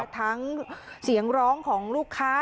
ทั้งเสียงร้องของลูกค้า